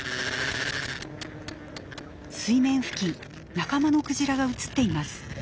水面付近仲間のクジラが写っています。